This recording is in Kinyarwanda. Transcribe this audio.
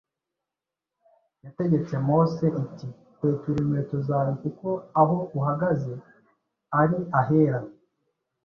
yategetse Mose iti: “Kwetura inkweto zawe kuko aho uhagaze ari ahera